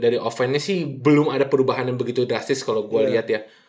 dari offline nya sih belum ada perubahan yang begitu drastis kalau gue lihat ya